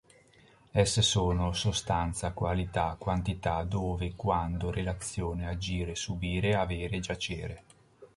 Esse sono: sostanza, qualità, quantità, dove, quando, relazione, agire, subire, avere, giacere.